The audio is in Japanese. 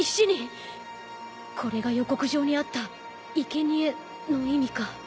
これが予告状にあった「生贄」の意味か。